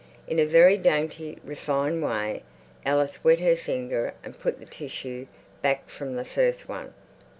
In a very dainty, refined way Alice wet her finger and put the tissue back from the first one.